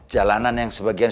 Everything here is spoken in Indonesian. jalanan yang sebagian